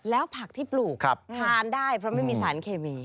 แล้วผักที่ปลูกทานได้เพราะไม่มีสารเคมี